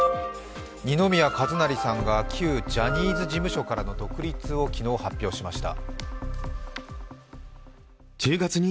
二宮和也さんが旧ジャニーズ事務所からの独立を昨日発表しました。